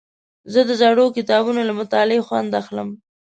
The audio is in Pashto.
زه د زړو کتابونو له مطالعې خوند اخلم.